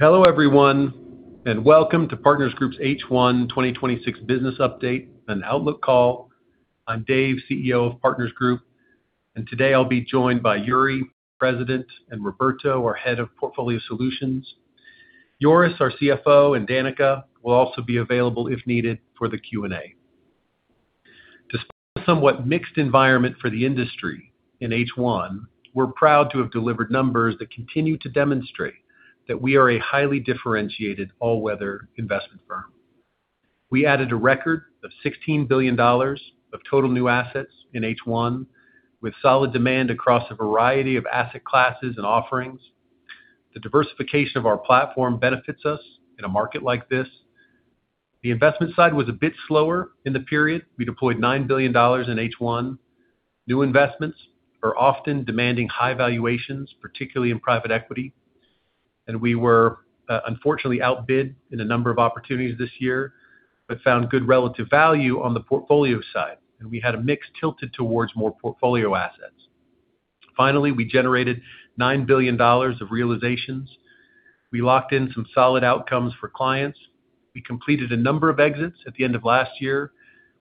Hello everyone, and welcome to Partners Group's H1 2026 business update and outlook call. I'm Dave, CEO of Partners Group, and today I'll be joined by Juri, President, and Roberto, our Head of Portfolio Solutions. Joris, our CFO, and Danica will also be available if needed for the Q&A. Despite a somewhat mixed environment for the industry in H1, we're proud to have delivered numbers that continue to demonstrate that we are a highly differentiated all-weather investment firm. We added a record of $16 billion of total new assets in H1, with solid demand across a variety of asset classes and offerings. The diversification of our platform benefits us in a market like this. The investment side was a bit slower in the period. We deployed $9 billion in H1. New investments are often demanding high valuations, particularly in private equity. We were unfortunately outbid in a number of opportunities this year, but found good relative value on the portfolio side, and we had a mix tilted towards more portfolio assets. Finally, we generated $9 billion of realizations. We locked in some solid outcomes for clients. We completed a number of exits at the end of last year,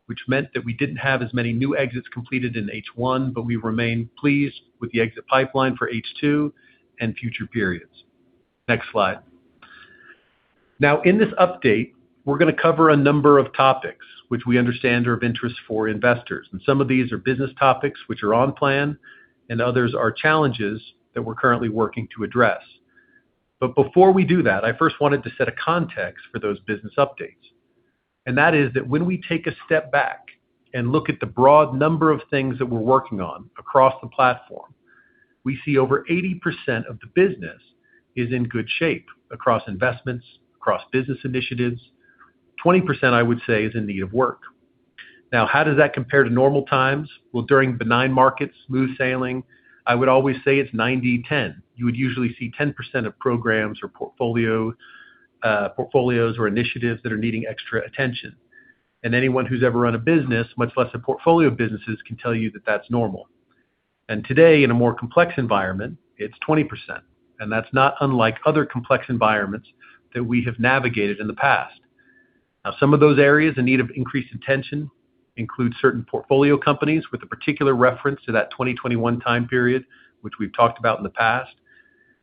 which meant that we didn't have as many new exits completed in H1, but we remain pleased with the exit pipeline for H2 and future periods. Next slide. In this update, we're going to cover a number of topics which we understand are of interest for investors, and some of these are business topics which are on plan, and others are challenges that we're currently working to address. Before we do that, I first wanted to set a context for those business updates, and that is that when we take a step back and look at the broad number of things that we're working on across the platform, we see over 80% of the business is in good shape across investments, across business initiatives. 20%, I would say, is in need of work. How does that compare to normal times? During benign markets, smooth sailing, I would always say it's 90/10. You would usually see 10% of programs or portfolios or initiatives that are needing extra attention. Anyone who's ever run a business, much less a portfolio of businesses, can tell you that that's normal. Today, in a more complex environment, it's 20%, and that's not unlike other complex environments that we have navigated in the past. Some of those areas in need of increased attention include certain portfolio companies with a particular reference to that 2021 time period, which we've talked about in the past.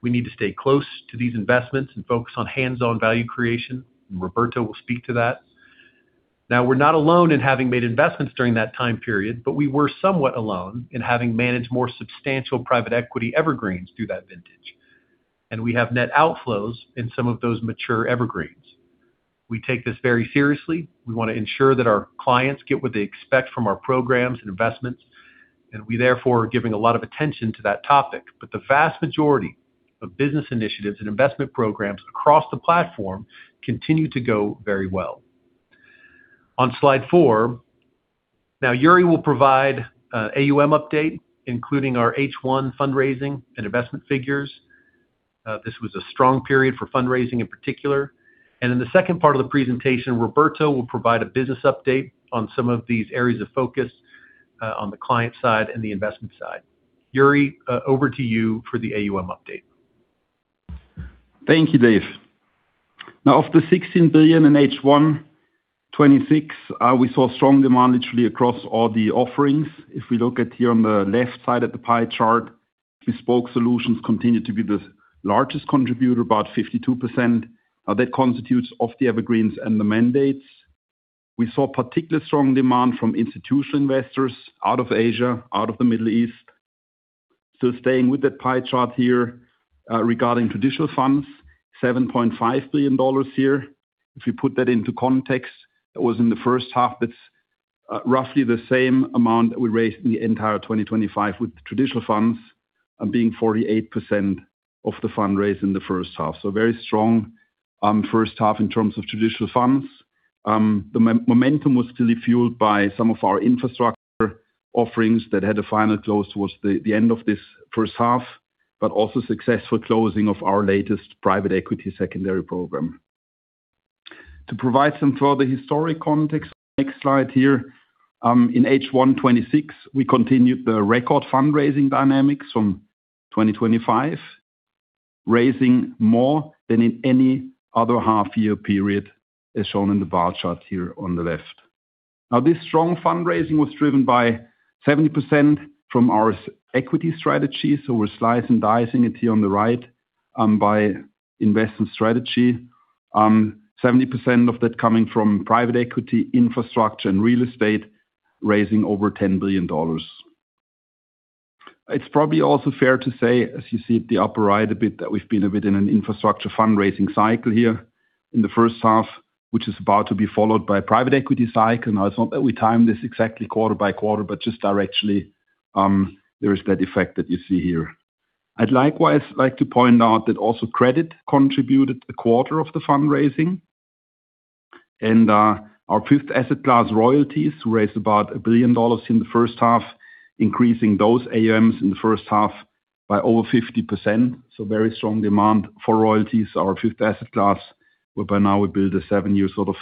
We need to stay close to these investments and focus on hands-on value creation, and Roberto will speak to that. We're not alone in having made investments during that time period, but we were somewhat alone in having managed more substantial private equity evergreens through that vintage. We have net outflows in some of those mature evergreens. We take this very seriously. We want to ensure that our clients get what they expect from our programs and investments, and we therefore are giving a lot of attention to that topic. The vast majority of business initiatives and investment programs across the platform continue to go very well. On slide four. Juri will provide AUM update, including our H1 fundraising and investment figures. This was a strong period for fundraising in particular. In the second part of the presentation, Roberto will provide a business update on some of these areas of focus on the client side and the investment side. Juri, over to you for the AUM update. Thank you, Dave. Of the $16 billion in H1 2026, we saw strong demand literally across all the offerings. If we look at here on the left side of the pie chart, bespoke solutions continued to be the largest contributor, about 52%. That constitutes of the evergreens and the mandates. We saw particular strong demand from institutional investors out of Asia, out of the Middle East. Staying with that pie chart here, regarding traditional funds, $7.5 billion here. If you put that into context, that was in the first half. That's roughly the same amount that we raised in the entire 2025 with traditional funds, and being 48% of the fundraised in the first half. Very strong first half in terms of traditional funds. The momentum was clearly fueled by some of our infrastructure offerings that had a final close towards the end of this first half, but also successful closing of our latest private equity secondary program. To provide some further historic context, next slide here. In H1 2026, we continued the record fundraising dynamics from 2025, raising more than in any other half year period, as shown in the bar chart here on the left. This strong fundraising was driven by 70% from our equity strategy, we're slice and dicing it here on the right by investment strategy. 70% of that coming from private equity infrastructure and real estate, raising over $10 billion. It's probably also fair to say, as you see at the upper right a bit, that we've been a bit in an infrastructure fundraising cycle here in the first half, which is about to be followed by a private equity cycle. It's not that we timed this exactly quarter by quarter, but just directionally, there is that effect that you see here. I'd likewise like to point out that also credit contributed a quarter of the fundraising, and our fifth asset class royalties raised about $1 billion in the first half, increasing those AUMs in the first half by over 50%. Very strong demand for royalties. Our fifth asset class, where by now we build a seven-year sort of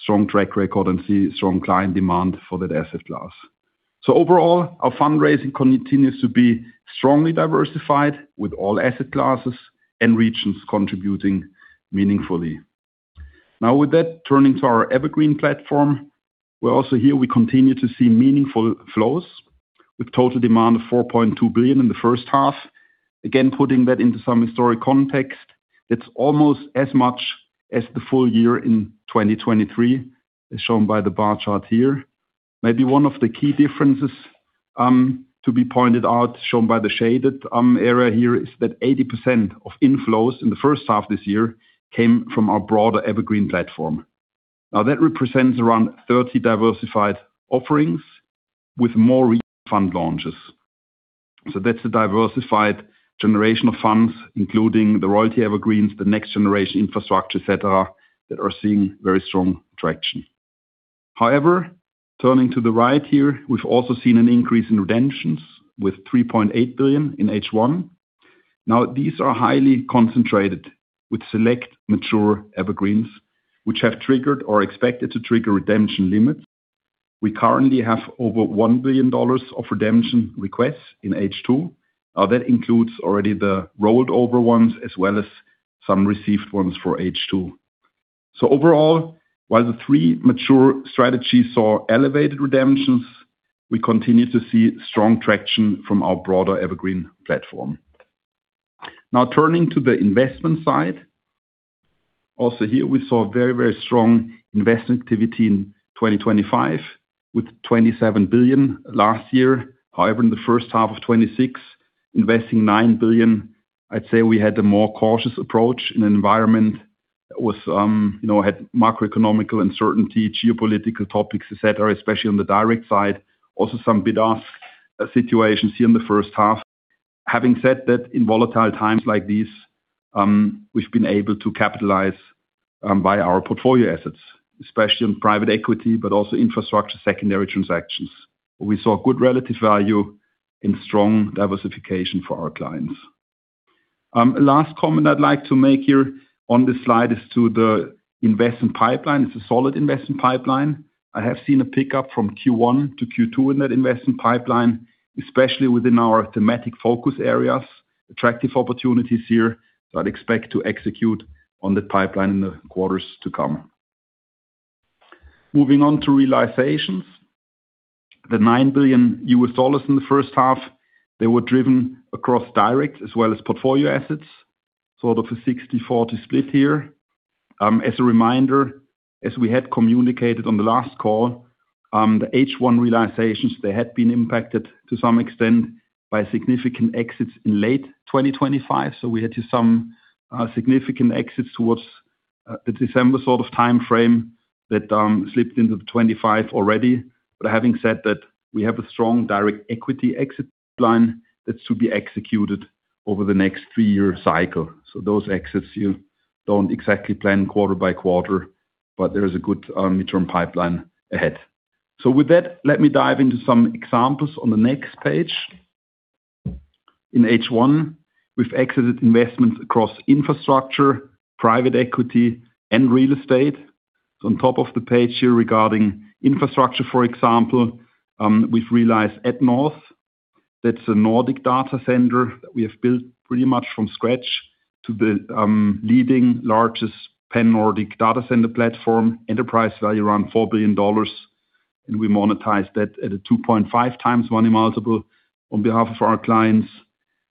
strong track record and see strong client demand for that asset class. Overall, our fundraising continues to be strongly diversified with all asset classes and regions contributing meaningfully. With that, turning to our evergreen platform. Also here we continue to see meaningful flows with total demand of $4.2 billion in the first half. Again, putting that into some historic context, it's almost as much as the full year in 2023, as shown by the bar chart here. One of the key differences to be pointed out, shown by the shaded area here, is that 80% of inflows in the first half this year came from our broader evergreen platform. That represents around 30 diversified offerings with more recent fund launches. That's a diversified generation of funds, including the royalty evergreens, the next generation infrastructure, et cetera, that are seeing very strong traction. Turning to the right here, we've also seen an increase in redemptions with $3.8 billion in H1. These are highly concentrated with select mature evergreens, which have triggered or are expected to trigger redemption limits. We currently have over $1 billion of redemption requests in H2. That includes already the rolled over ones as well as some received ones for H2. Overall, while the three mature strategies saw elevated redemptions, we continue to see strong traction from our broader evergreen platform. Turning to the investment side. Here we saw very strong investment activity in 2025 with $27 billion last year. In the first half of 2026, investing $9 billion, I'd say we had a more cautious approach in an environment that had macroeconomic uncertainty, geopolitical topics, et cetera, especially on the direct side. Also some bid-ask situations here in the first half. Having said that, in volatile times like these, we've been able to capitalize by our portfolio assets, especially on private equity, but also infrastructure, secondary transactions. We saw good relative value and strong diversification for our clients. Last comment I'd like to make here on this slide is to the investment pipeline. It's a solid investment pipeline. I have seen a pickup from Q1 to Q2 in that investment pipeline, especially within our thematic focus areas. Attractive opportunities here, I'd expect to execute on the pipeline in the quarters to come. Moving on to realizations. The $9 billion in the first half, they were driven across direct as well as portfolio assets, sort of a 60/40 split here. As a reminder, as we had communicated on the last call, the H1 realizations, they had been impacted to some extent by significant exits in late 2025. We had some significant exits towards the December sort of timeframe that slipped into the 2025 already. Having said that, we have a strong direct equity exit pipeline that should be executed over the next three-year cycle. Those exits you don't exactly plan quarter by quarter, but there is a good midterm pipeline ahead. With that, let me dive into some examples on the next page. In H1, we've exited investments across infrastructure, private equity and real estate. On top of the page here regarding infrastructure, for example, we've realized atNorth. That's a Nordic data center that we have built pretty much from scratch to the leading largest pan-Nordic data center platform. Enterprise value around $4 billion. We monetized that at a 2.5x money multiple on behalf of our clients.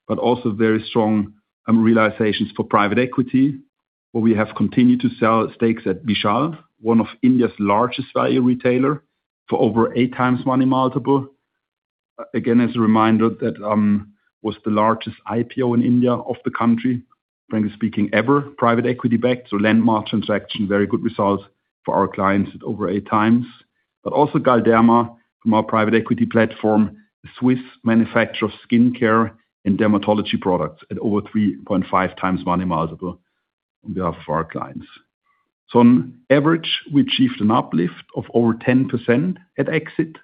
Also very strong realizations for private equity, where we have continued to sell stakes at Vishal, one of India's largest value retailer for over 8x money multiple. Again, as a reminder, that was the largest IPO in India of the country, frankly speaking, ever, private equity backed. Landmark transaction, very good results for our clients at over 8x. Also Galderma from our private equity platform, a Swiss manufacturer of skincare and dermatology products at over 3.5x money multiple on behalf of our clients. On average, we achieved an uplift of over 10% at exit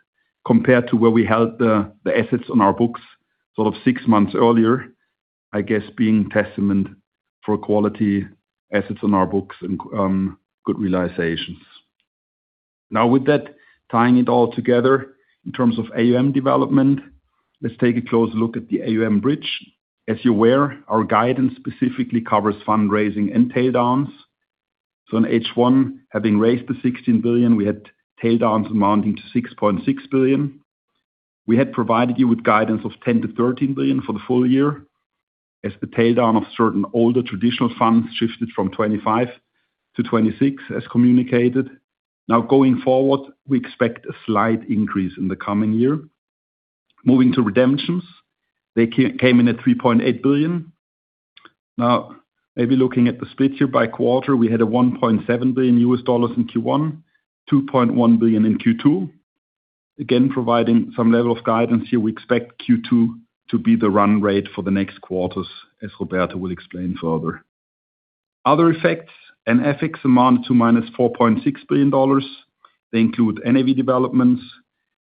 compared to where we held the assets on our books sort of six months earlier. I guess being testament for quality assets on our books and good realizations. With that, tying it all together in terms of AUM development, let's take a closer look at the AUM bridge. As you're aware, our guidance specifically covers fundraising and tail-downs. In H1, having raised the $16 billion, we had tail-downs amounting to $6.6 billion. We had provided you with guidance of $10 billion-$13 billion for the full year as the tail-down of certain older traditional funds shifted from 2025 to 2026 as communicated. Going forward, we expect a slight increase in the coming year. Moving to redemptions, they came in at $3.8 billion. Maybe looking at the split here by quarter, we had a $1.7 billion in Q1, $2.1 billion in Q2. Again, providing some level of guidance here, we expect Q2 to be the run rate for the next quarters, as Roberto will explain further. Other effects and FX amounted to -$4.6 billion. They include NAV developments.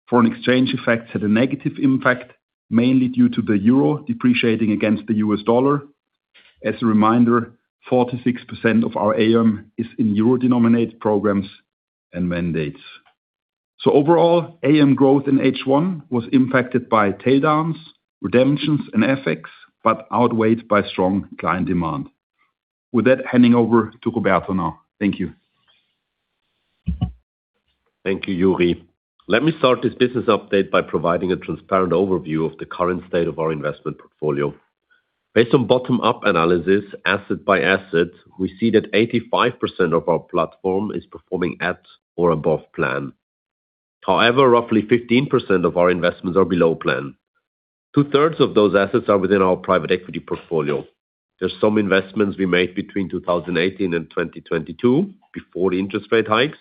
Foreign exchange effects had a negative impact, mainly due to the euro depreciating against the US dollar. As a reminder, 46% of our AUM is in euro-denominated programs and mandates. Overall, AUM growth in H1 was impacted by tail-downs, redemptions, and FX, but outweighed by strong client demand. With that, handing over to Roberto now. Thank you. Thank you, Juri. Let me start this business update by providing a transparent overview of the current state of our investment portfolio. Based on bottom-up analysis, asset by asset, we see that 85% of our platform is performing at or above plan. However, roughly 15% of our investments are below plan. Two-thirds of those assets are within our private equity portfolio. There's some investments we made between 2018 and 2022 before the interest rate hikes,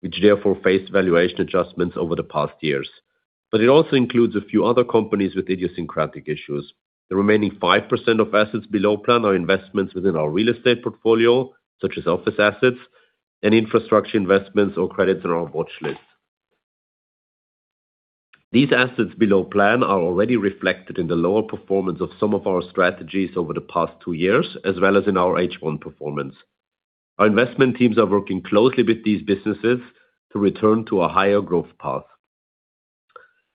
which therefore faced valuation adjustments over the past years. It also includes a few other companies with idiosyncratic issues. The remaining 5% of assets below plan are investments within our real estate portfolio, such as office assets and infrastructure investments or credits that are on watch lists. These assets below plan are already reflected in the lower performance of some of our strategies over the past two years, as well as in our H1 performance. Our investment teams are working closely with these businesses to return to a higher growth path.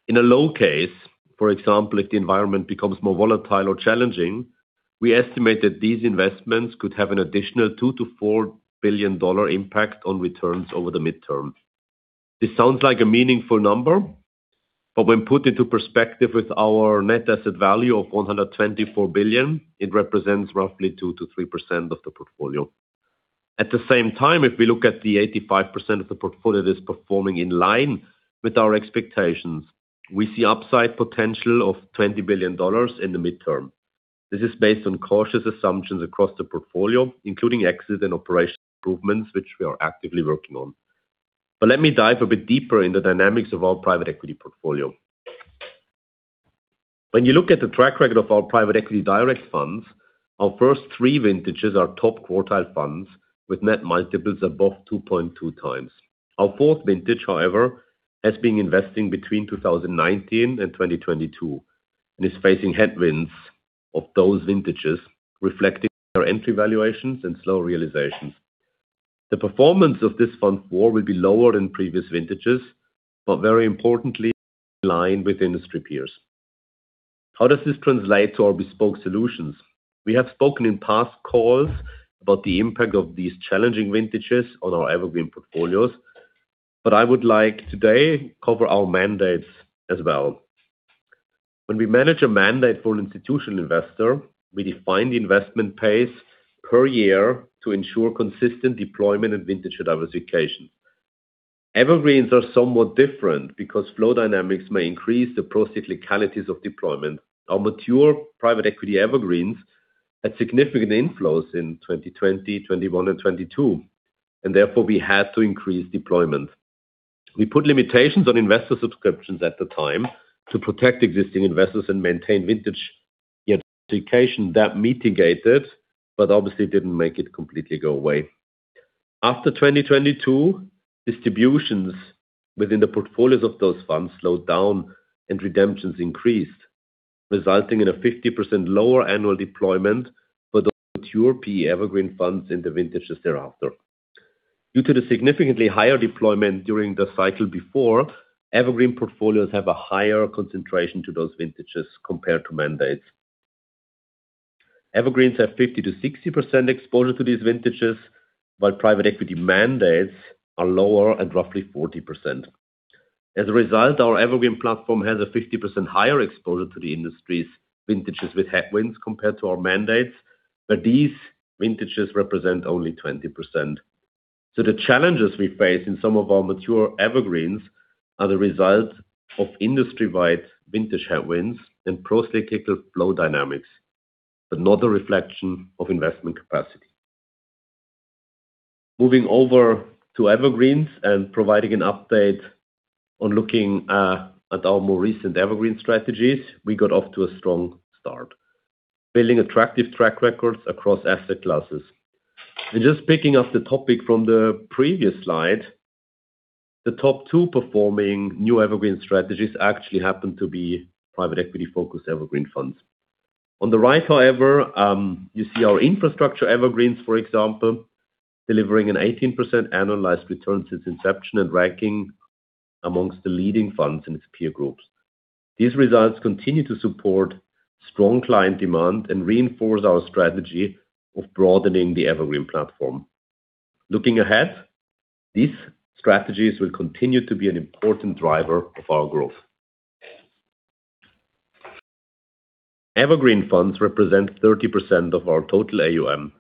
In a low case, for example, if the environment becomes more volatile or challenging, we estimate that these investments could have an additional $2 billion-$4 billion impact on returns over the midterm. This sounds like a meaningful number, but when put into perspective with our net asset value of $124 billion, it represents roughly 2%-3% of the portfolio. At the same time, if we look at the 85% of the portfolio that is performing in line with our expectations, we see upside potential of $20 billion in the midterm. This is based on cautious assumptions across the portfolio, including exit and operational improvements, which we are actively working on. Let me dive a bit deeper into the dynamics of our private equity portfolio. When you look at the track record of our private equity direct funds, our first three vintages are top-quartile funds with net multiples above 2.2x. Our fourth vintage, however, has been investing between 2019 and 2022 and is facing headwinds of those vintages, reflecting their entry valuations and slow realizations. The performance of this fund four will be lower than previous vintages, but very importantly, in line with industry peers. How does this translate to our bespoke solutions? We have spoken in past calls about the impact of these challenging vintages on our evergreen portfolios, but I would like today to cover our mandates as well. When we manage a mandate for an institutional investor, we define the investment pace per year to ensure consistent deployment and vintage diversification. Evergreens are somewhat different because flow dynamics may increase the procyclicalities of deployment. Our mature private equity evergreens had significant inflows in 2020, 2021, and 2022, and therefore, we had to increase deployment. We put limitations on investor subscriptions at the time to protect existing investors and maintain vintage diversification. That mitigated, but obviously didn't make it completely go away. After 2022, distributions within the portfolios of those funds slowed down and redemptions increased, resulting in a 50% lower annual deployment for those mature PE evergreen funds in the vintages thereafter. Due to the significantly higher deployment during the cycle before, evergreen portfolios have a higher concentration to those vintages compared to mandates. Evergreens have 50%-60% exposure to these vintages, while private equity mandates are lower at roughly 40%. Our evergreen platform has a 50% higher exposure to the industry's vintages with headwinds compared to our mandates, but these vintages represent only 20%. The challenges we face in some of our mature evergreens are the result of industry-wide vintage headwinds and procyclical flow dynamics, but not a reflection of investment capacity. Moving over to evergreens and providing an update on looking at our more recent evergreen strategies, we got off to a strong start, building attractive track records across asset classes. Just picking up the topic from the previous slide, the top two performing new evergreen strategies actually happen to be private equity-focused evergreen funds. On the right, however, you see our infrastructure evergreens, for example, delivering an 18% annualized return since inception and ranking among the leading funds in its peer groups. These results continue to support strong client demand and reinforce our strategy of broadening the evergreen platform. Looking ahead, these strategies will continue to be an important driver of our growth. Evergreen funds represent 30% of our total AUM.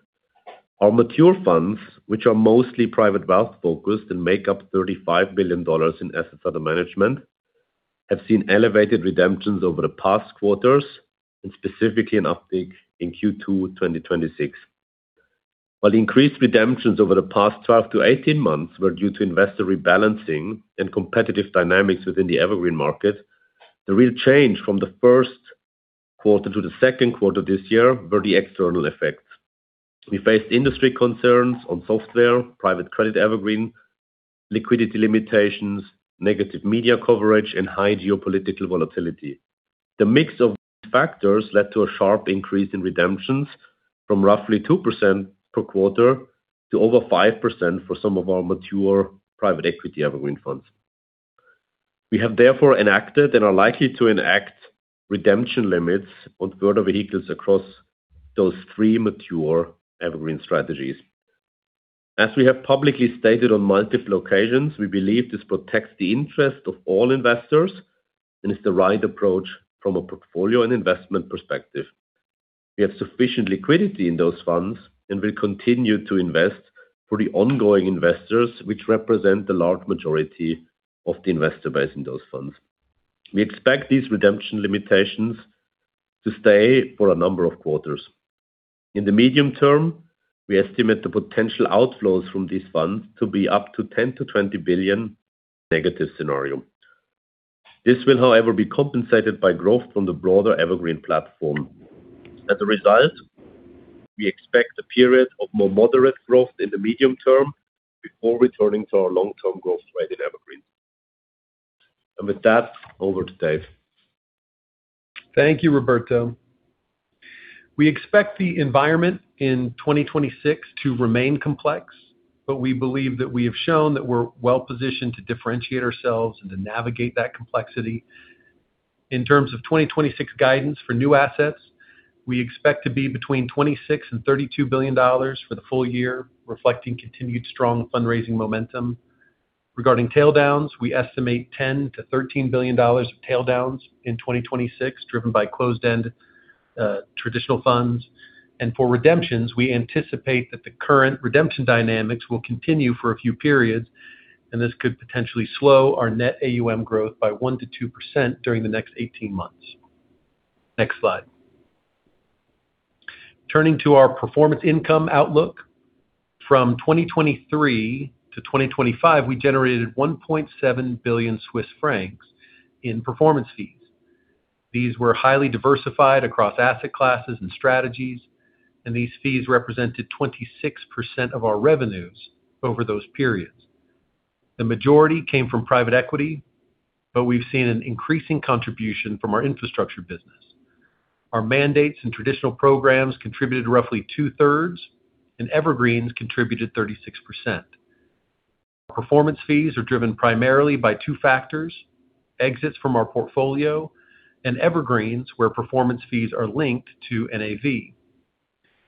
Our mature funds, which are mostly private wealth-focused and make up $35 billion in assets under management, have seen elevated redemptions over the past quarters, and specifically an uptick in Q2 2026. While increased redemptions over the past 12-18 months were due to investor rebalancing and competitive dynamics within the evergreen market, the real change from the first quarter to the second quarter of this year were the external effects. We faced industry concerns on software, private credit evergreen, liquidity limitations, negative media coverage, and high geopolitical volatility. The mix of these factors led to a sharp increase in redemptions from roughly 2% per quarter to over 5% for some of our mature private equity evergreen funds. We have therefore enacted and are likely to enact redemption limits on further vehicles across those three mature evergreen strategies. As we have publicly stated on multiple occasions, we believe this protects the interest of all investors and is the right approach from a portfolio and investment perspective. We have sufficient liquidity in those funds and will continue to invest for the ongoing investors, which represent the large majority of the investor base in those funds. We expect these redemption limitations to stay for a number of quarters. In the medium term, we estimate the potential outflows from these funds to be up to $10 billion-$20 billion negative scenario. This will, however, be compensated by growth from the broader evergreen platform. As a result, we expect a period of more moderate growth in the medium term before returning to our long-term growth rate in evergreen. With that, over to Dave. Thank you, Roberto. We expect the environment in 2026 to remain complex, but we believe that we have shown that we're well-positioned to differentiate ourselves and to navigate that complexity. In terms of 2026 guidance for new assets, we expect to be between $26 billion and $32 billion for the full year, reflecting continued strong fundraising momentum. Regarding tail-downs, we estimate $10 billion-$13 billion of tail-downs in 2026, driven by closed-end traditional funds. For redemptions, we anticipate that the current redemption dynamics will continue for a few periods, and this could potentially slow our net AUM growth by 1%-2% during the next 18 months. Next slide. Turning to our performance income outlook. From 2023 to 2025, we generated 1.7 billion Swiss francs in performance fees. These were highly diversified across asset classes and strategies, and these fees represented 26% of our revenues over those periods. The majority came from private equity, we've seen an increasing contribution from our infrastructure business. Our mandates and traditional programs contributed roughly two-thirds, evergreens contributed 36%. Performance fees are driven primarily by two factors, exits from our portfolio and evergreens, where performance fees are linked to NAV.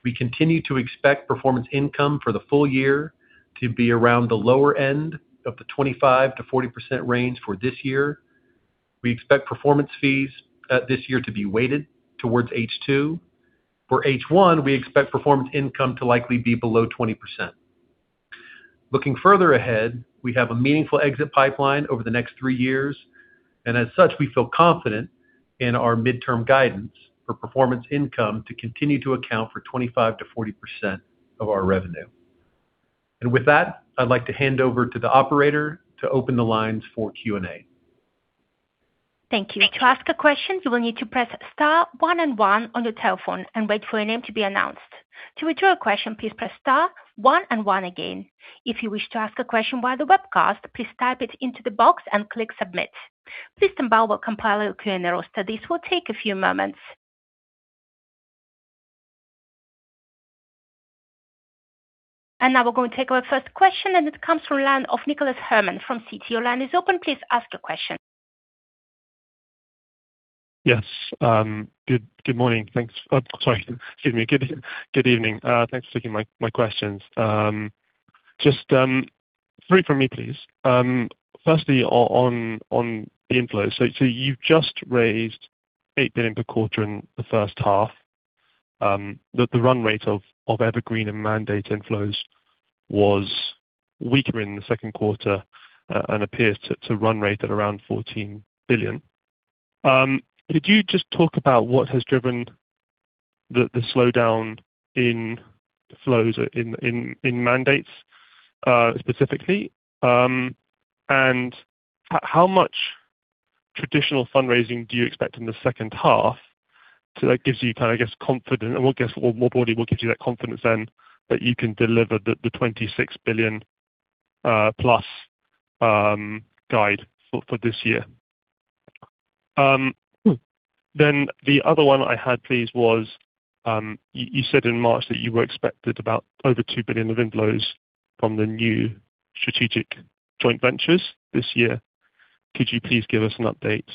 We continue to expect performance income for the full year to be around the lower end of the 25%-40% range for this year. We expect performance fees this year to be weighted towards H2. For H1, we expect performance income to likely be below 20%. Looking further ahead, we have a meaningful exit pipeline over the next three years, as such, we feel confident in our midterm guidance for performance income to continue to account for 25%-40% of our revenue. With that, I'd like to hand over to the operator to open the lines for Q&A. Thank you. To ask a question, you will need to press star one and one on your telephone and wait for your name to be announced. To withdraw a question, please press star one and one again. If you wish to ask a question via the webcast, please type it into the box and click submit. Please stand by while we compile a Q&A roster. This will take a few moments. Now we're going to take our first question, it comes from the line of Nicholas Herman from Citi. Line is open, please ask a question. Yes. Good morning. Thanks. Sorry, excuse me. Good evening. Thanks for taking my questions. Just three from me, please. Firstly, on the inflows. You've just raised $8 billion per quarter in the first half. The run rate of evergreen and mandate inflows was weaker in the second quarter and appears to run rate at around $14 billion. Could you just talk about what has driven the slowdown in flows in mandates, specifically? How much traditional fundraising do you expect in the second half? That gives you, I guess, confidence, or more broadly, what gives you that confidence then that you can deliver the $26 billion plus guide for this year. The other one I had, please, was, you said in March that you were expected about over $2 billion of inflows from the new strategic joint ventures this year. Could you please give us an update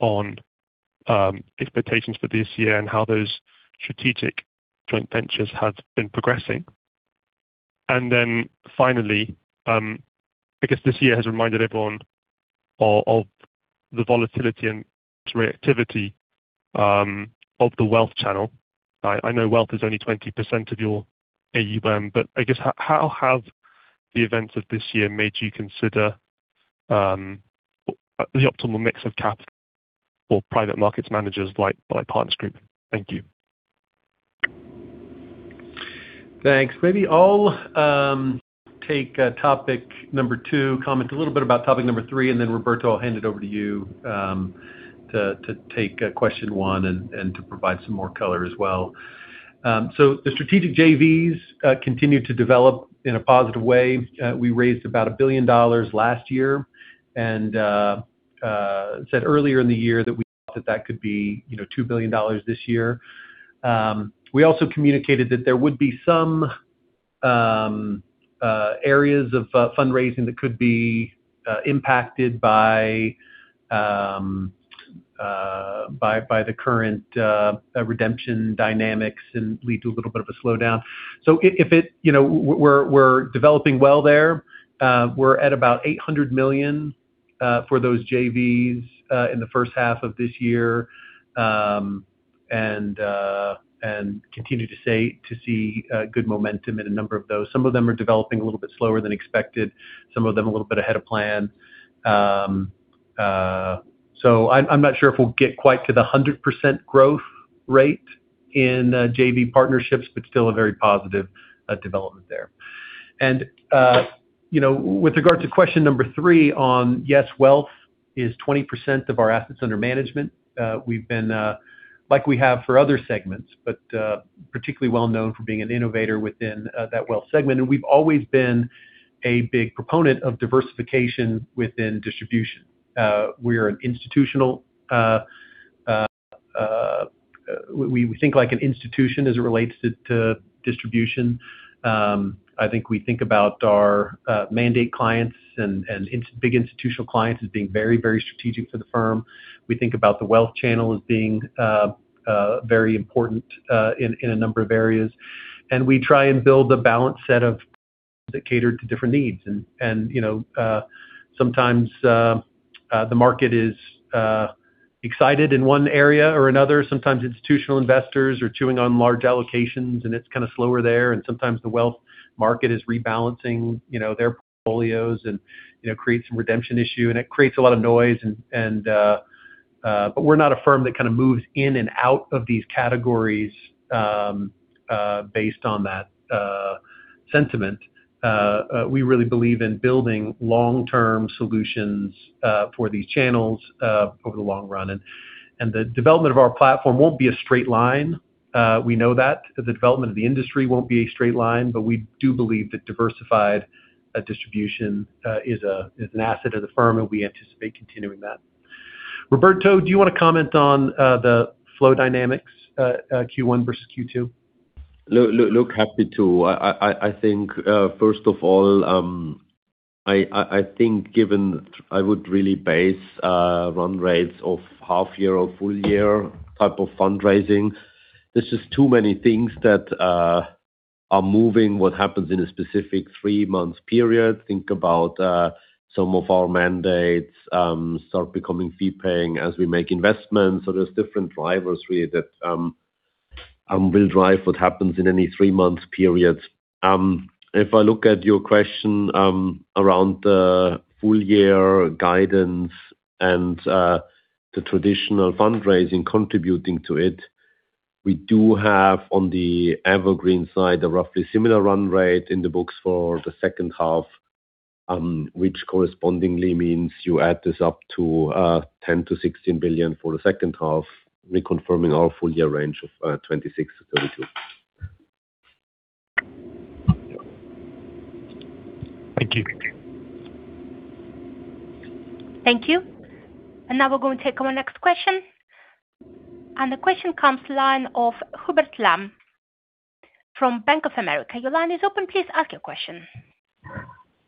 on expectations for this year and how those strategic joint ventures have been progressing? Finally, I guess this year has reminded everyone of the volatility and reactivity of the wealth channel. I know wealth is only 20% of your AUM, but I guess, how have the events of this year made you consider the optimal mix of capital for private markets managers like Partners Group? Thank you. Thanks. Maybe I'll take topic number two, comment a little bit about topic number three. Roberto, I'll hand it over to you to take question one and to provide some more color as well. The strategic JVs continue to develop in a positive way. We raised about $1 billion last year and said earlier in the year that we thought that that could be $2 billion this year. We also communicated that there would be some areas of fundraising that could be impacted by the current redemption dynamics and lead to a little bit of a slowdown. We're developing well there. We're at about $800 million for those JVs in the first half of this year, and continue to see good momentum in a number of those. Some of them are developing a little bit slower than expected, some of them a little bit ahead of plan. I'm not sure if we'll get quite to the 100% growth rate in JV partnerships, but still a very positive development there. With regard to question number three on, yes, wealth is 20% of our assets under management. We've been, like we have for other segments, but particularly well known for being an innovator within that wealth segment, and we've always been a big proponent of diversification within distribution. We think like an institution as it relates to distribution. I think we think about our mandate clients and big institutional clients as being very, very strategic for the firm. We think about the wealth channel as being very important in a number of areas. We try and build a balanced set of products that cater to different needs. Sometimes the market is excited in one area or another. Sometimes institutional investors are chewing on large allocations, and it's kind of slower there, and sometimes the wealth market is rebalancing their portfolios and creates some redemption issue, and it creates a lot of noise. We're not a firm that kind of moves in and out of these categories based on that sentiment. We really believe in building long-term solutions for these channels over the long run. The development of our platform won't be a straight line. We know that. The development of the industry won't be a straight line, but we do believe that diversified distribution is an asset of the firm, and we anticipate continuing that. Roberto, do you want to comment on the flow dynamics Q1 versus Q2? Look, happy to. First of all, I would really base run rates of half year or full year type of fundraising. There's just too many things that are moving what happens in a specific three-month period. Think about some of our mandates start becoming fee-paying as we make investments. There's different drivers really that will drive what happens in any three-month period. If I look at your question around the full year guidance and the traditional fundraising contributing to it, we do have, on the evergreen side, a roughly similar run rate in the books for the second half, which correspondingly means you add this up to $10 billion-$16 billion for the second half, reconfirming our full year range of $26 billion-$32 billion. Thank you. Thank you. Now we're going to take our next question, the question comes line of Hubert Lam from Bank of America. Your line is open. Please ask your question.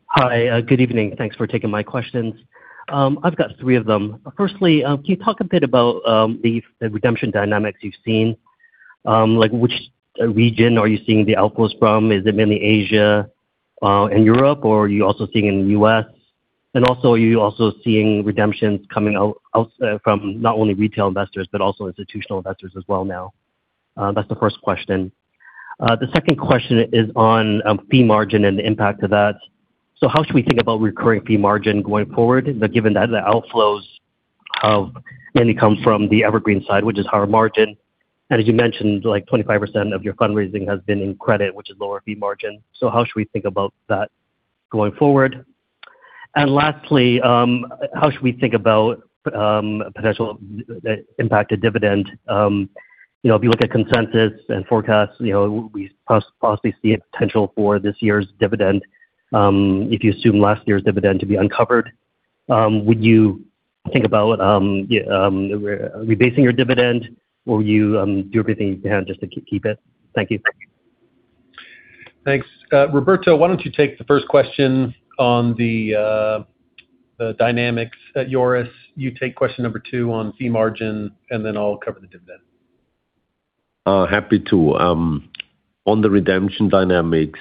Hi. Good evening. Thanks for taking my questions. I've got three of them. Firstly, can you talk a bit about the redemption dynamics you've seen? Like, which region are you seeing the outflows from? Is it mainly Asia and Europe, or are you also seeing it in the U.S.? Also, are you also seeing redemptions coming from not only retail investors, but also institutional investors as well now? That's the first question. The second question is on fee margin and the impact of that. How should we think about recurring fee margin going forward, given that the outflows mainly come from the evergreen side, which is higher margin? As you mentioned, 25% of your fundraising has been in credit, which is lower fee margin. How should we think about that going forward? Lastly, how should we think about potential impact to dividend? If you look at consensus and forecasts, we possibly see a potential for this year's dividend. If you assume last year's dividend to be uncovered, would you think about rebasing your dividend, or will you do everything you can just to keep it? Thank you. Thanks. Roberto, why don't you take the first question on the dynamics? Joris, you take question number two on fee margin, then I'll cover the dividend. Happy to. On the redemption dynamics,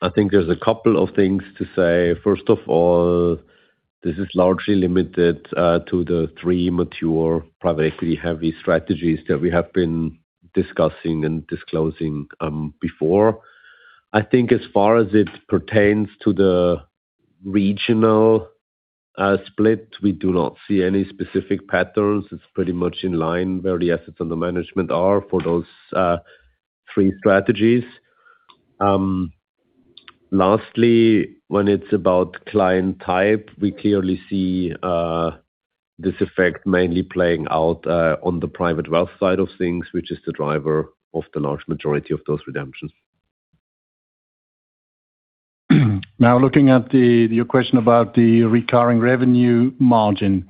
I think there's a couple of things to say. First of all, this is largely limited to the three mature private equity-heavy strategies that we have been discussing and disclosing before. I think as far as it pertains to the regional split. We do not see any specific patterns. It's pretty much in line where the assets under management are for those three strategies. Lastly, when it's about client type, we clearly see this effect mainly playing out on the private wealth side of things, which is the driver of the large majority of those redemptions. Looking at your question about the recurring revenue margin.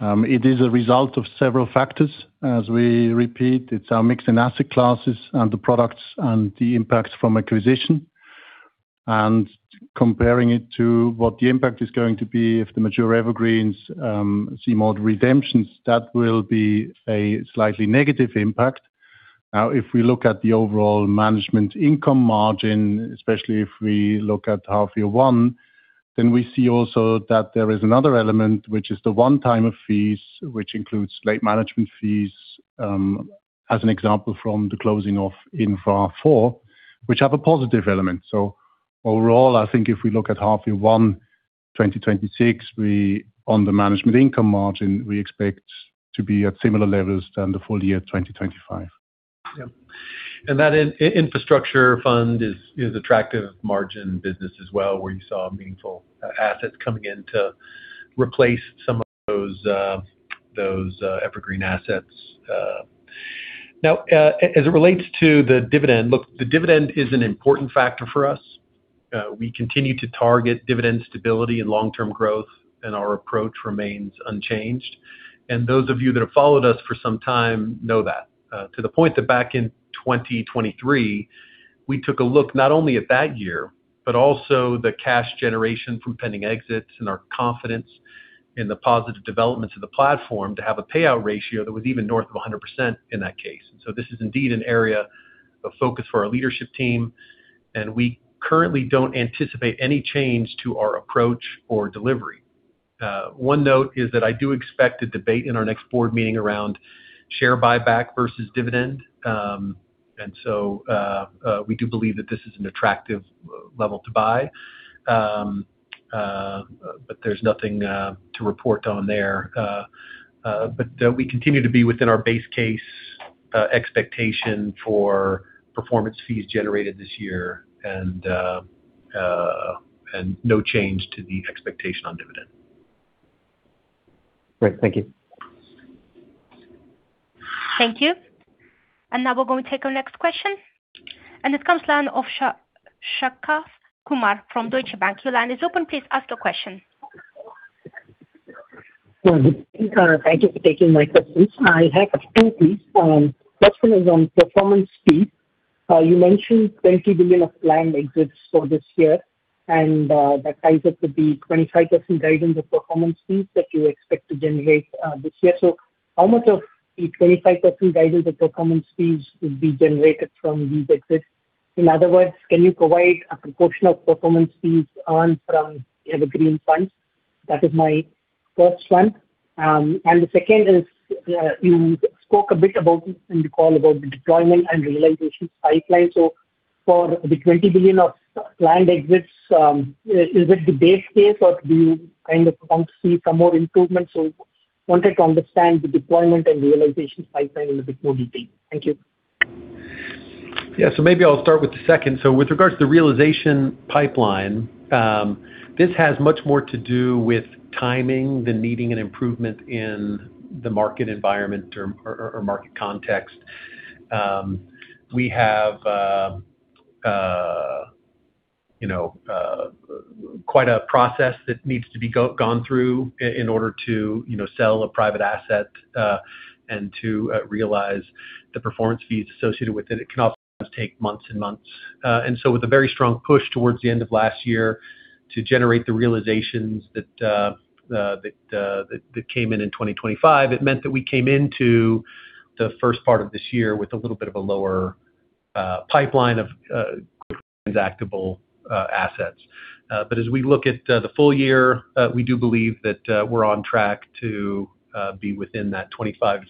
It is a result of several factors. As we repeat, it's our mix in asset classes and the products and the impacts from acquisition. Comparing it to what the impact is going to be if the mature evergreens see more redemptions, that will be a slightly negative impact. If we look at the overall management income margin, especially if we look at half year one, then we see also that there is another element, which is the one-timer fees, which includes late management fees, as an example from the closing of Infra Four, which have a positive element. Overall, I think if we look at half year one 2026, on the management income margin, we expect to be at similar levels than the full year 2025. That infrastructure fund is attractive margin business as well, where you saw meaningful assets coming in to replace some of those evergreen assets. As it relates to the dividend, look, the dividend is an important factor for us. We continue to target dividend stability and long-term growth, and our approach remains unchanged. Those of you that have followed us for some time know that. To the point that back in 2023, we took a look not only at that year, but also the cash generation from pending exits and our confidence in the positive developments of the platform to have a payout ratio that was even north of 100% in that case. This is indeed an area of focus for our leadership team, and we currently don't anticipate any change to our approach or delivery. One note is that I do expect a debate in our next board meeting around share buyback versus dividend. We do believe that this is an attractive level to buy. There's nothing to report on there. We continue to be within our base case expectation for performance fees generated this year, and no change to the expectation on dividend. Great. Thank you. Thank you. Now we're going to take our next question, and it comes line of Sharath Kumar from Deutsche Bank. Your line is open, please ask your question. Thank you for taking my questions. I have two, please. First one is on performance fee. You mentioned $20 billion of planned exits for this year, and that ties up with the 25% guidance of performance fees that you expect to generate this year. How much of the 25% guidance of performance fees will be generated from these exits? In other words, can you provide a proportion of performance fees earned from evergreen funds? That is my first one. The second is, you spoke a bit in the call about the deployment and realization pipeline. For the $20 billion of planned exits, is it the base case or do you kind of want to see some more improvements? Wanted to understand the deployment and realization pipeline in a bit more detail. Thank you. Maybe I'll start with the second. With regards to realization pipeline, this has much more to do with timing than needing an improvement in the market environment or market context. We have quite a process that needs to be gone through in order to sell a private asset, and to realize the performance fees associated with it. It can oftentimes take months and months. With a very strong push towards the end of last year to generate the realizations that came in in 2025, it meant that we came into the first part of this year with a little bit of a lower pipeline of transactable assets. As we look at the full year, we do believe that we're on track to be within that 25%-40%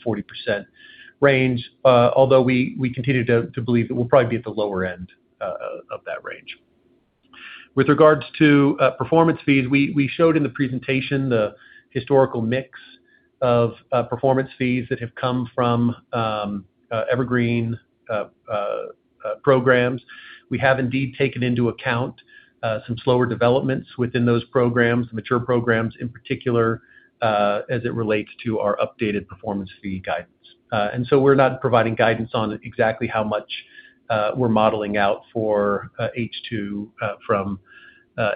range. Although we continue to believe that we'll probably be at the lower end of that range. With regards to performance fees, we showed in the presentation the historical mix of performance fees that have come from evergreen programs. We have indeed taken into account some slower developments within those programs, mature programs in particular, as it relates to our updated performance fee guidance. We're not providing guidance on exactly how much we're modeling out for H2 from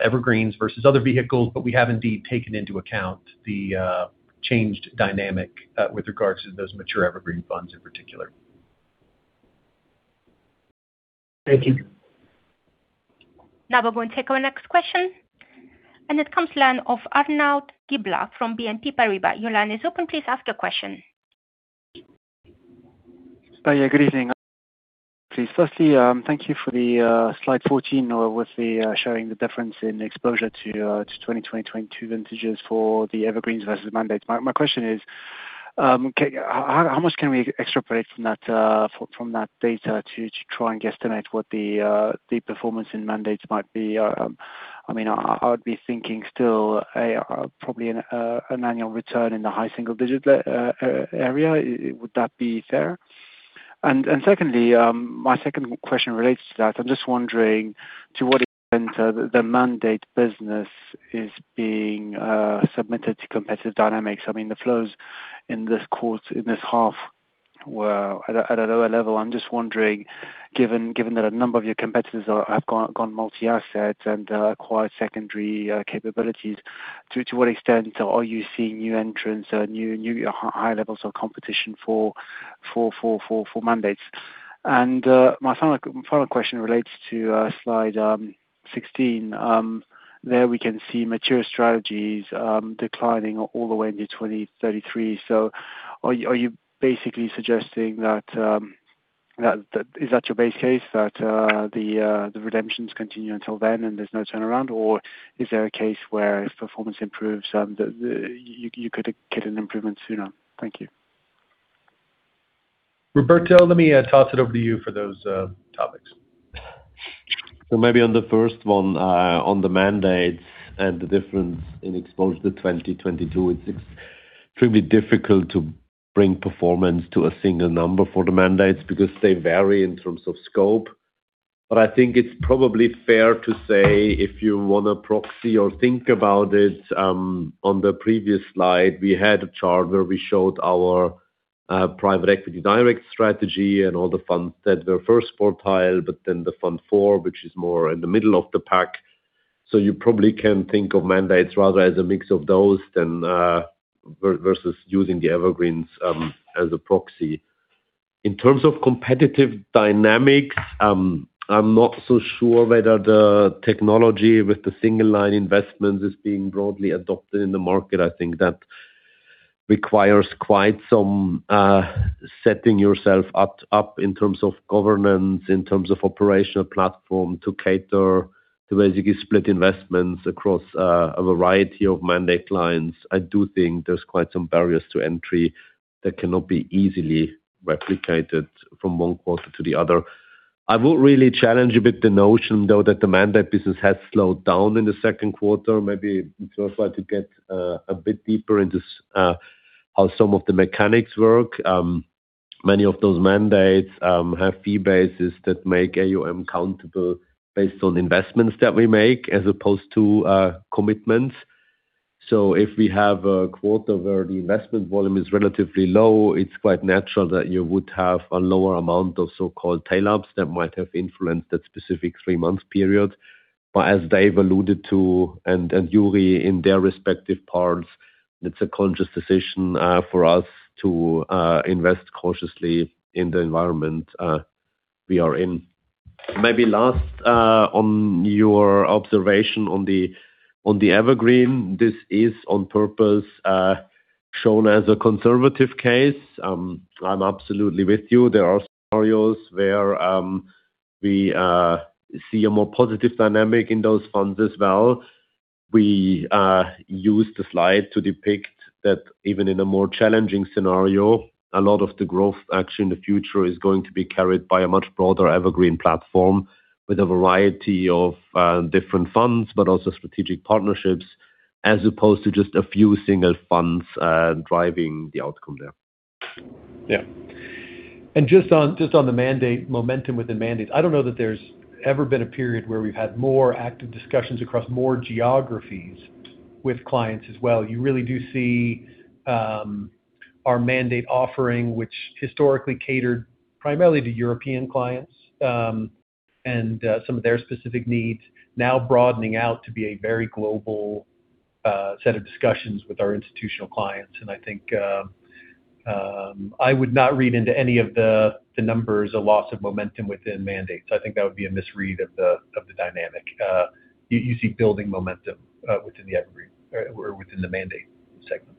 evergreens versus other vehicles, but we have indeed taken into account the changed dynamic with regards to those mature evergreen funds in particular. Thank you. Now we are going to our next question. It comes line of Arnaud Giblat from BNP Paribas. Your line is open, please ask your question. Good evening. Firstly, thank you for the slide 14 with the sharing the difference in exposure to 2020, 2022 vintages for the evergreens versus mandates. My question is how much can we extrapolate from that data to try and guesstimate what the performance in mandates might be? I would be thinking still probably an annual return in the high single-digit area. Would that be fair? Secondly, my second question relates to that. I'm just wondering to what extent the mandate business is being submitted to competitive dynamics. I mean, the flows in this half were at a lower level. I'm just wondering, given that a number of your competitors have gone multi-asset and acquired secondary capabilities, to what extent are you seeing new entrants or new high levels of competition for mandates? My final question relates to slide 16. There we can see mature strategies declining all the way into 2033. Are you basically suggesting that, is that your base case that the redemptions continue until then and there's no turnaround, or is there a case where if performance improves, you could get an improvement sooner? Thank you. Roberto, let me toss it over to you for those topics. Maybe on the first one, on the mandates and the difference in exposure to 2022, it's extremely difficult to bring performance to a single number for the mandates because they vary in terms of scope. I think it's probably fair to say if you want to proxy or think about it, on the previous slide, we had a chart where we showed our private equity direct strategy and all the funds that were first quartile, but then the fund four, which is more in the middle of the pack. You probably can think of mandates rather as a mix of those than versus using the evergreens as a proxy. In terms of competitive dynamics, I'm not so sure whether the technology with the single line investments is being broadly adopted in the market. I think that requires quite some setting yourself up in terms of governance, in terms of operational platform to cater to basically split investments across a variety of mandate lines. I do think there's quite some barriers to entry that cannot be easily replicated from one quarter to the other. I would really challenge a bit the notion, though, that the mandate business has slowed down in the second quarter. Maybe, Joris, to get a bit deeper into how some of the mechanics work. Many of those mandates have fee bases that make AUM countable based on investments that we make as opposed to commitments. If we have a quarter where the investment volume is relatively low, it's quite natural that you would have a lower amount of so-called tail ups that might have influenced that specific three-month period. As Dave alluded to, and Juri in their respective parts, it's a conscious decision for us to invest cautiously in the environment we are in. Maybe last, on your observation on the evergreen, this is on purpose shown as a conservative case. I am absolutely with you. There are scenarios where we see a more positive dynamic in those funds as well. We use the slide to depict that even in a more challenging scenario, a lot of the growth actually in the future is going to be carried by a much broader evergreen platform with a variety of different funds, but also strategic partnerships, as opposed to just a few single funds driving the outcome there. Just on the mandate momentum within mandate, I do not know that there has ever been a period where we have had more active discussions across more geographies with clients as well. You really do see our mandate offering, which historically catered primarily to European clients, and some of their specific needs now broadening out to be a very global set of discussions with our institutional clients. I think, I would not read into any of the numbers a loss of momentum within mandates. I think that would be a misread of the dynamic. You see building momentum within the evergreen or within the mandate segment.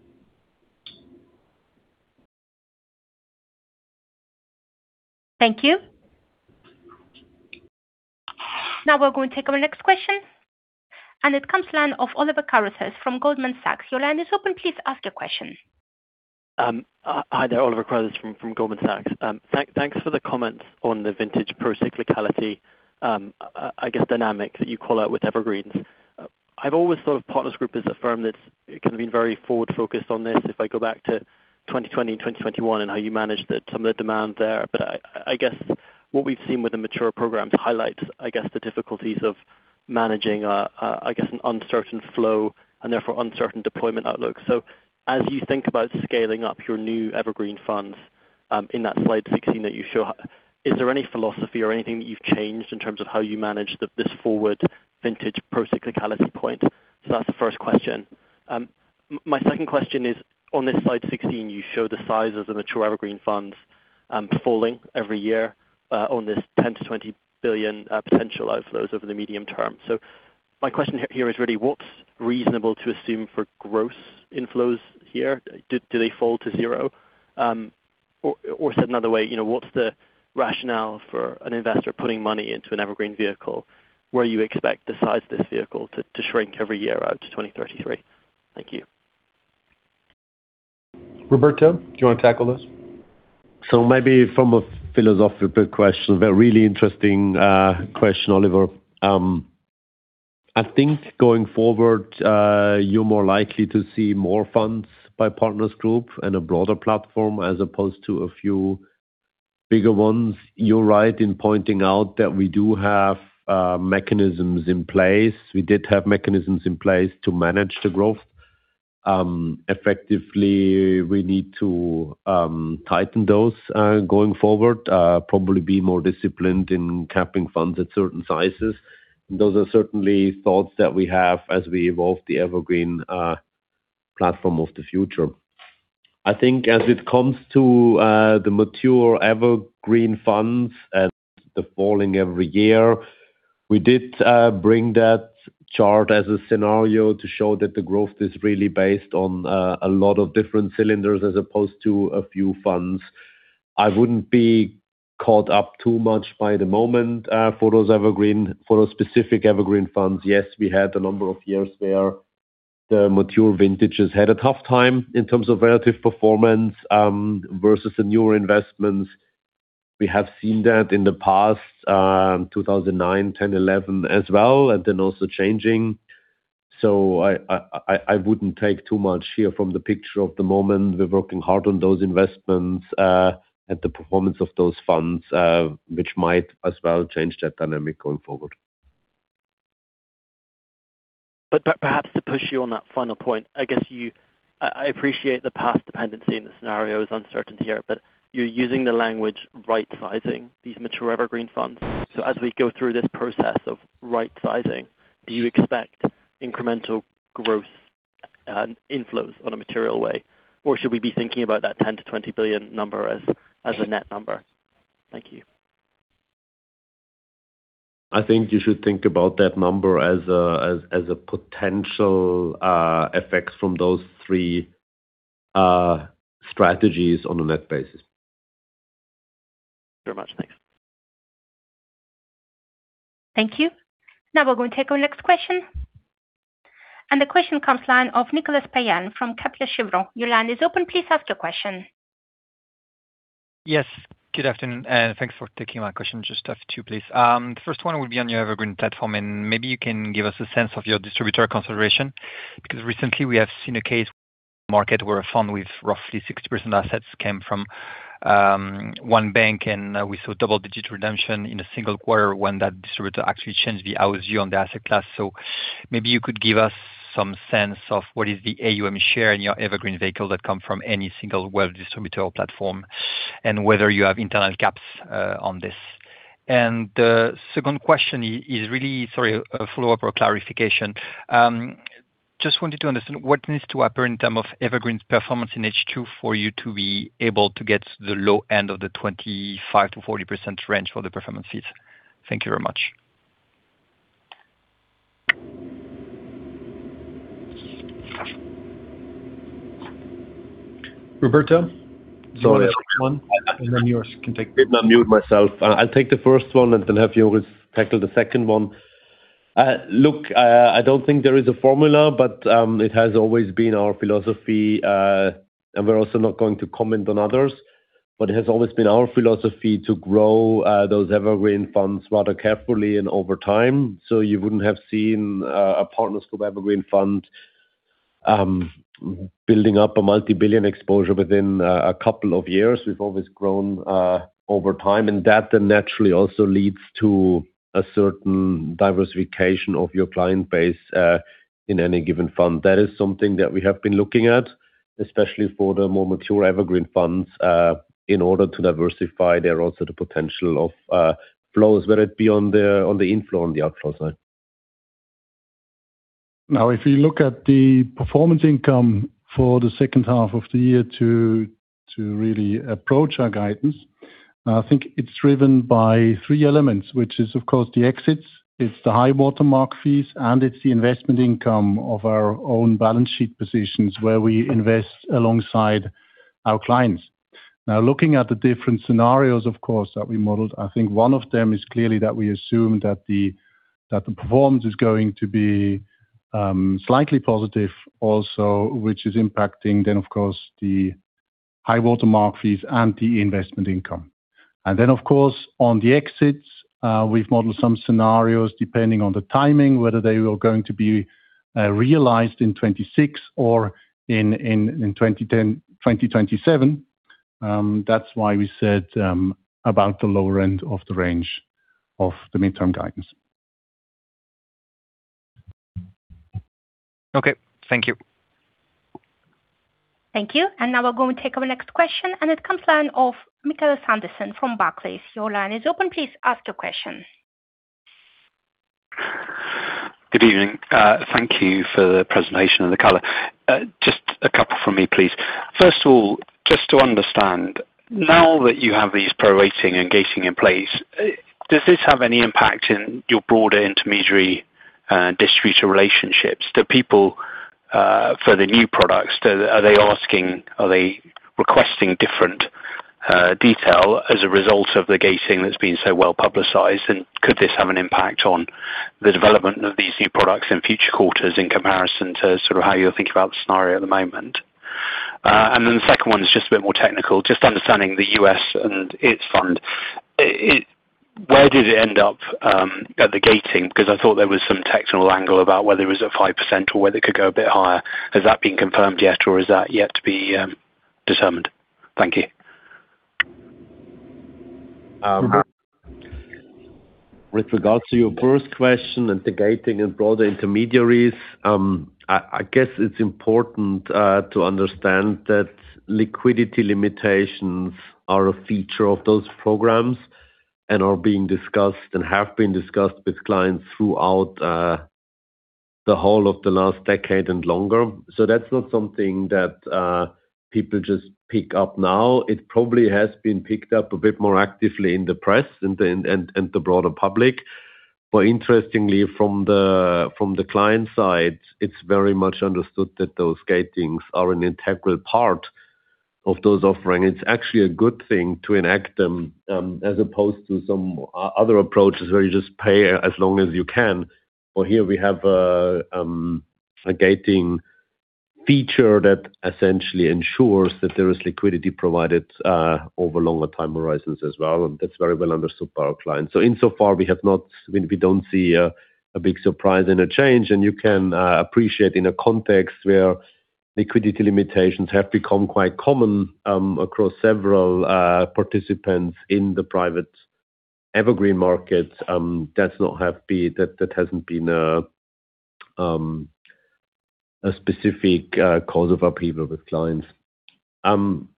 Thank you. Now we are going to take our next question, it comes from Oliver Carruthers from Goldman Sachs. Your line is open. Please ask your question. Hi there, Oliver Carruthers from Goldman Sachs. Thanks for the comments on the vintage pro-cyclicality, I guess, dynamic that you call out with evergreens. I have always thought of Partners Group as a firm that has kind of been very forward-focused on this, if I go back to 2020, 2021 and how you managed some of the demand there. I guess what we have seen with the mature programs highlights, I guess, the difficulties of managing, I guess, an uncertain flow and therefore uncertain deployment outlook. As you think about scaling up your new evergreen funds, in that slide 16 that you show, is there any philosophy or anything that you have changed in terms of how you manage this forward vintage pro-cyclicality point? That is the first question. My second question is on this slide 16, you show the sizes of mature evergreen funds falling every year on this $10 billion-$20 billion potential outflows over the medium term. My question here is really what's reasonable to assume for gross inflows here? Do they fall to zero? Or said another way, what's the rationale for an investor putting money into an evergreen vehicle where you expect the size of this vehicle to shrink every year out to 2033? Thank you. Roberto, do you want to tackle this? Maybe from a philosophical question, but really interesting question, Oliver. I think going forward, you're more likely to see more funds by Partners Group and a broader platform as opposed to a few bigger ones. You're right in pointing out that we do have mechanisms in place. We did have mechanisms in place to manage the growth. Effectively, we need to tighten those going forward, probably be more disciplined in capping funds at certain sizes. Those are certainly thoughts that we have as we evolve the evergreen platform of the future. I think as it comes to the mature evergreen funds and the falling every year, we did bring that chart as a scenario to show that the growth is really based on a lot of different cylinders as opposed to a few funds. I wouldn't be caught up too much by the moment for those specific evergreen funds. Yes, we had a number of years where the mature vintages had a tough time in terms of relative performance versus the newer investments. We have seen that in the past, 2009, 2010, 2011 as well, and then also changing. I wouldn't take too much here from the picture of the moment. We're working hard on those investments, and the performance of those funds, which might as well change that dynamic going forward. Perhaps to push you on that final point, I appreciate the past dependency and the scenario is uncertainty here. You're using the language right sizing these mature evergreen funds. As we go through this process of right sizing, do you expect incremental growth and inflows on a material way, or should we be thinking about that $10 billion-$20 billion number as a net number? Thank you. I think you should think about that number as a potential effect from those three strategies on a net basis. Very much, thanks. Thank you. Now we're going to take our next question. The question comes line of Nicolas Payen from Kepler Cheuvreux. Your line is open. Please ask your question. Yes, good afternoon, and thanks for taking my question. Just have two, please. First one will be on your evergreen platform. Maybe you can give us a sense of your distributor consideration, because recently we have seen a case market where a fund with roughly 60% assets came from one bank. We saw double-digit redemption in a single quarter when that distributor actually changed the AUM on the asset class. Maybe you could give us some sense of what is the AUM share in your evergreen vehicle that come from any single web distributor platform, and whether you have internal caps on this. The second question is really, sorry, a follow-up or clarification. Just wanted to understand what needs to happen in terms of evergreen's performance in H2 for you to be able to get the low end of the 25%-40% range for the performance fees. Thank you very much. Roberto, do you want to take one, and then Joris can take- Did not mute myself. I'll take the first one and then have Joris tackle the second one. Look, I don't think there is a formula. It has always been our philosophy, and we're also not going to comment on others. It has always been our philosophy to grow those evergreen funds rather carefully and over time. You wouldn't have seen a Partners Group evergreen fund building up a multi-billion exposure within a couple of years. We've always grown over time, and that then naturally also leads to a certain diversification of your client base in any given fund. That is something that we have been looking at, especially for the more mature evergreen funds, in order to diversify. There are also the potential of flows, whether it be on the inflow, on the outflow side. Now, if you look at the performance income for the second half of the year to really approach our guidance, I think it's driven by three elements, which is, of course, the exits, it's the high-water mark fees, and it's the investment income of our own balance sheet positions where we invest alongside our clients. Now, looking at the different scenarios, of course, that we modeled, I think one of them is clearly that we assume that the performance is going to be slightly positive also, which is impacting then, of course, the high-water mark fees and the investment income. Of course, on the exits, we've modeled some scenarios depending on the timing, whether they were going to be realized in 2026 or in 2027. That's why we said about the lower end of the range of the midterm guidance. Okay. Thank you. Thank you. We're going to take our next question, and it comes line of Michael Sanderson from Barclays. Your line is open. Please ask your question. Good evening. Thank you for the presentation and the color. Just a couple from me, please. First of all, just to understand, now that you have these prorating and gating in place, does this have any impact in your broader intermediary distributor relationships? Do people For the new products, are they requesting different detail as a result of the gating that's been so well-publicized? Could this have an impact on the development of these new products in future quarters in comparison to how you're thinking about the scenario at the moment? The second one is just a bit more technical, just understanding the U.S. and its fund. Where did it end up at the gating? Because I thought there was some technical angle about whether it was at 5% or whether it could go a bit higher. Has that been confirmed yet, or is that yet to be determined? Thank you. With regards to your first question and the gating and broader intermediaries, I guess it's important to understand that liquidity limitations are a feature of those programs and are being discussed and have been discussed with clients throughout the whole of the last decade and longer. That's not something that people just pick up now. It probably has been picked up a bit more actively in the press and the broader public. Interestingly, from the client side, it's very much understood that those gatings are an integral part of those offerings. It's actually a good thing to enact them, as opposed to some other approaches where you just pay as long as you can. Here we have a gating feature that essentially ensures that there is liquidity provided over longer time horizons as well, and that's very well understood by our clients. Insofar, we don't see a big surprise and a change. You can appreciate in a context where liquidity limitations have become quite common across several participants in the private evergreen markets, that hasn't been a specific cause of upheaval with clients.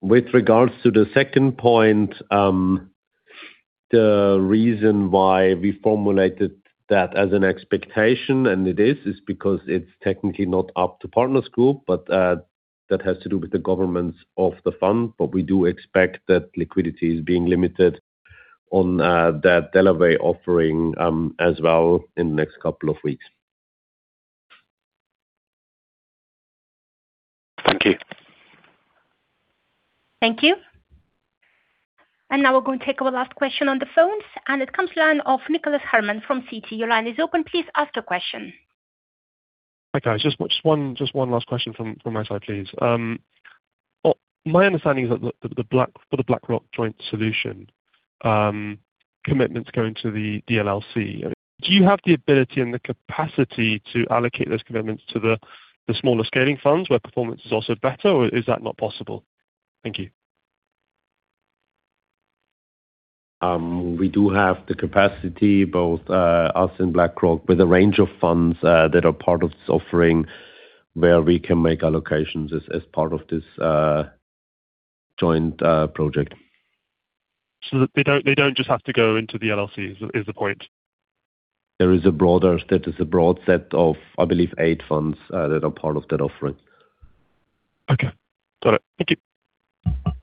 With regards to the second point, the reason why we formulated that as an expectation, and it is because it's technically not up to Partners Group, that has to do with the governments of the fund. We do expect that liquidity is being limited on that delivery offering as well in the next couple of weeks. Thank you. Thank you. Now we're going to take our last question on the phones, it comes to the line of Nicholas Herman from Citi. Your line is open. Please ask your question. Hi, guys. Just one last question from my side, please. My understanding is that for the BlackRock joint solution, commitments go into the DLLC. Do you have the ability and the capacity to allocate those commitments to the smaller scaling funds where performance is also better, or is that not possible? Thank you. We do have the capacity, both us and BlackRock, with a range of funds that are part of this offering, where we can make allocations as part of this joint project. They don't just have to go into the LLC, is the point. There is a broad set of, I believe, eight funds that are part of that offering. Okay, got it. Thank you.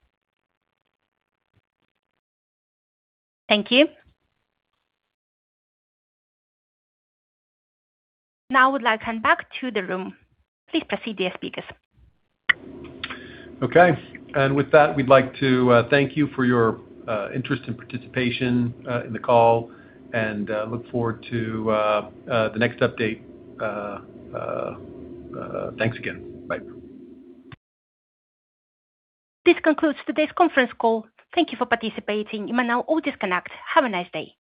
Thank you. I would like to hand back to the room. Please proceed, dear speakers. Okay. With that, we'd like to thank you for your interest and participation in the call and look forward to the next update. Thanks again. Bye. This concludes today's conference call. Thank you for participating. You may now all disconnect. Have a nice day.